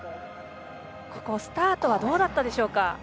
スタートはどうだったでしょうか。